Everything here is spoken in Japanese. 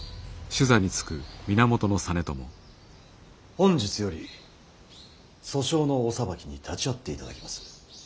本日より訴訟のお裁きに立ち会っていただきます。